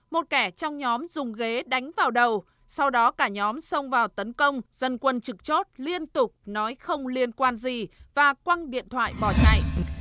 một kẻ trong nhóm dùng ghế đánh vào đầu sau đó cả nhóm xông vào tấn công dân quân trực chốt liên tục nói không liên quan gì và quăng điện thoại bỏ chạy